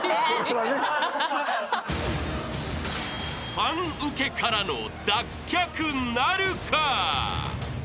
［ファンウケからの脱却なるか？］